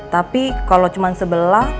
tapi kalau cuma sebelah